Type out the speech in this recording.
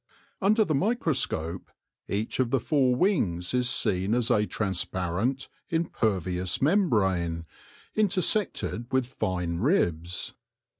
Under the microscope each of the four wings is seen as a transparent, impervious membrane, intersected with fine ribs.